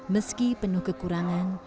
meski penuh kekurangan